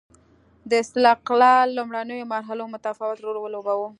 د استقلال لومړنیو مرحلو متفاوت رول ولوباوه.